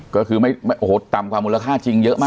ก็คือไม่โอ้โหต่ำกว่ามูลค่าจริงเยอะมาก